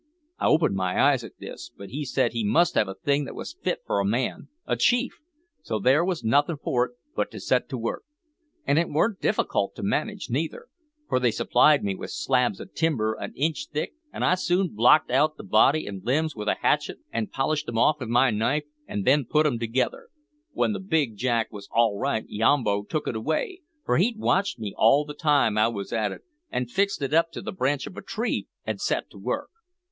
I opened my eyes at this, but he said he must have a thing that was fit for a man a chief so there was nothin' for it but to set to work. An' it worn't difficult to manage neither, for they supplied me with slabs o' timber an inch thick an' I soon blocked out the body an' limbs with a hatchet an' polished 'em off with my knife, and then put 'em together. W'en the big jack wos all right Yambo took it away, for he'd watched me all the time I wos at it, an' fixed it up to the branch of a tree an' set to work.